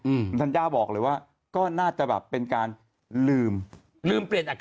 อืมคุณธัญญาบอกเลยว่าก็น่าจะแบบเป็นการลืมลืมเปลี่ยนอาการ